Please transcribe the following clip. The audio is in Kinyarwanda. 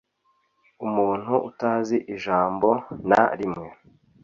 umuntu utazi ijambo na rimwe